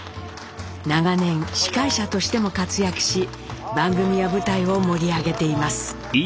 長年司会者としても活躍し番組や舞台を盛り上げています。